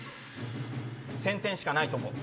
１０００点しかないと思う。